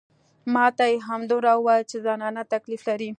ما ته يې همدومره وويل چې زنانه تکليف لري.